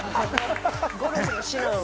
ゴルフの指南を。